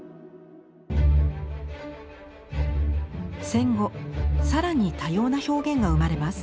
戦後更に多様な表現が生まれます。